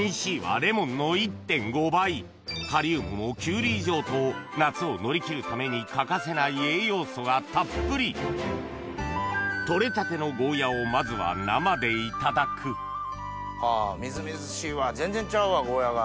カリウムもきゅうり以上と夏を乗り切るために欠かせない栄養素がたっぷり取れたてのゴーヤーをまずは生でいただくあぁみずみずしいわ全然ちゃうわゴーヤーが。